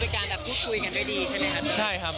คือเป็นการพูดคุยกันด้วยดีใช่ไหมครับ